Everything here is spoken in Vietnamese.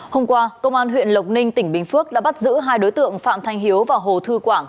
hôm qua công an huyện lộc ninh tỉnh bình phước đã bắt giữ hai đối tượng phạm thanh hiếu và hồ thư quảng